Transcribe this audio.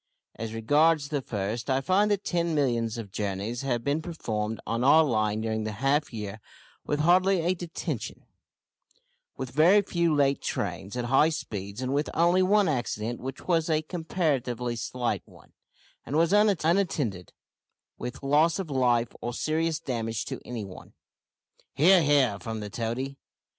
As regards the first, I find that ten millions of journeys have been performed on our line during the half year with hardly a detention, with very few late trains, at high speeds, and with only one accident, which was a comparatively slight one, and was unattended with loss of life or serious damage to any one." "He ar, he ar!" from the toady.